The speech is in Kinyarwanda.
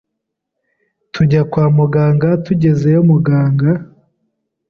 tujya kwa muganga tugezeyo muganga